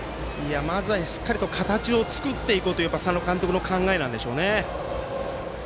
まずはしっかりと形を作っていこうという佐野監督の考えなんでしょうね。